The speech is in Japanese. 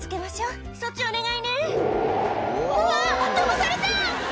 「うわ飛ばされた！」